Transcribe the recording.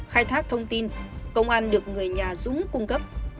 khai thác thông tin công an được người nhà dũng cung cấp